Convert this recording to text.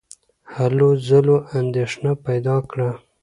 هلو ځلو اندېښنه پیدا کړه.